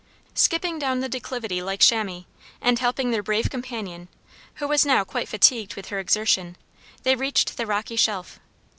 Skipping down the declivity like chamois, and helping their brave companion, who was now quite fatigued with her exertion, they reached the rocky shelf.